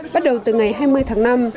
bắt đầu từ ngày hai mươi tháng năm